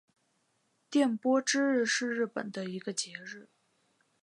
电波之日是日本的一个节日。